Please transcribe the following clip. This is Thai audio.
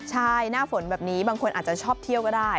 ใช่หน้าฝนแบบนี้บางคนอาจจะชอบเที่ยวก็ได้